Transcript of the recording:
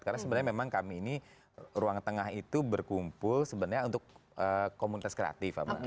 karena sebenarnya memang kami ini ruang tengah itu berkumpul sebenarnya untuk komunitas kreatif